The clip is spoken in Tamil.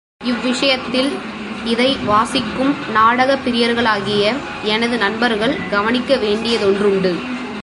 இவ்விஷயத்தில், இதை வாசிக்கும் நாடகப் பிரியர்களாகிய எனது நண்பர்கள் கவனிக்க வேண்டியதொன்றுண்டு.